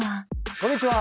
こんにちは。